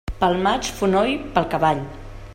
Pel maig fonoll, pel cavall.